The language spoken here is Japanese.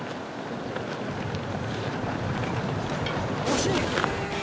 惜しい。